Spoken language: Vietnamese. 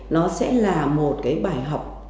nó sẽ là một cái bài học